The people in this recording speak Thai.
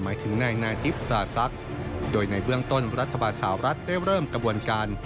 หมายถึงนายนาธิปราศักดิ์โดยในเบื้องต้นรัฐบาลสาวรัฐได้เริ่มกระบวนการ